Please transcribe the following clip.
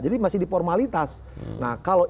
jadi masih di formalitas nah kalau